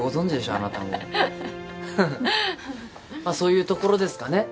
あなたもそういうところですかね